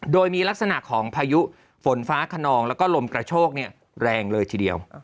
โดยมีลักษณะของพายุฝนฟ้าขนองแล้วก็ลมกระโชกแรงเลยทีเดียว